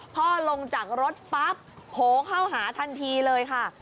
ลงจากรถปั๊บโผล่เข้าหาทันทีเลยค่ะ